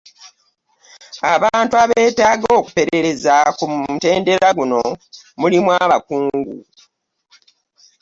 Abantu abeetaaga okuperereza ku mutendera guno mulimu Abakungu.